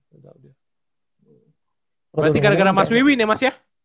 berarti gara gara mas wiwin ya mas ya